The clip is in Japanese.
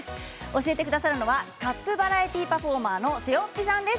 教えてくださるのは、カップバラエティーパフォーマーのＳＥＯＰＰＩさんです。